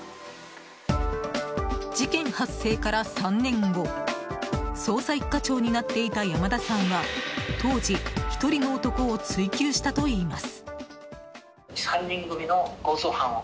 事件発生から３年後捜査１課長になっていた山田さんは当時、１人の男を追及したといいます。